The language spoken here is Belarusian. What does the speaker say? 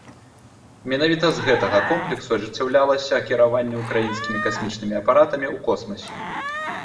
Менавіта з гэтага комплексу ажыццяўлялася кіраванне украінскімі касмічнымі апаратамі ў космасе.